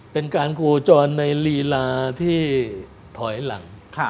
เป็นการโคจรในลีลาที่ถอยหลัง